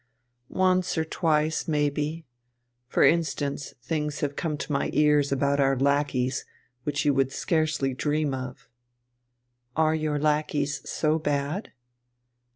"Once or twice, maybe. For instance, things have come to my ears about our lackeys, which you would scarcely dream of." "Are your lackeys so bad?"